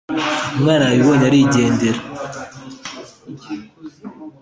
umwana yarabibonye arigendera”